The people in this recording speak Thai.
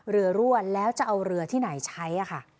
เรือรั่วแล้วจะเอาเรือที่ไหนใช้